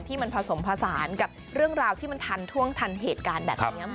มันผสมผสานกับเรื่องราวที่มันทันท่วงทันเหตุการณ์แบบนี้